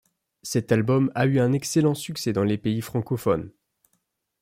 Cet album a eu un excellent succès dans les pays francophones.